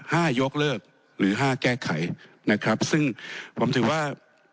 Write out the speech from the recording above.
ยกเลิกหรือห้าแก้ไขนะครับซึ่งผมถือว่า